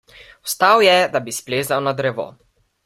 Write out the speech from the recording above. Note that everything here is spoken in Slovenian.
Vstal je, da bi splezal na drevo.